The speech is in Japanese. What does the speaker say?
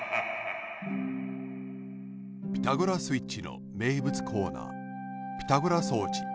「ピタゴラスイッチ」のめいぶつコーナーピタゴラ装置。